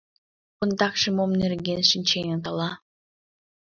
Ондакше мом нерен шинченыт, ала?